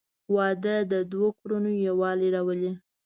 • واده د دوه کورنیو یووالی راولي.